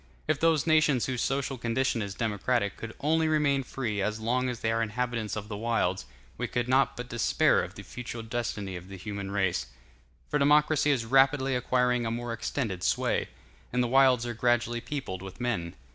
If those nations whose social condition is democratic could only remain free as long as they are inhabitants of the wilds, we could not but despair of the future destiny of the human race; for democracy is rapidly acquiring a more extended sway, and the wilds are gradually peopled with men.